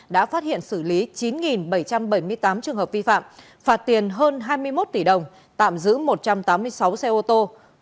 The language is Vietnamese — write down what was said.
đã phát hiện xử lý chín bảy trăm bảy mươi tám trường hợp vi phạm phạt tiền hơn hai mươi một tỷ đồng tạm giữ một trăm tám mươi sáu xe ô tô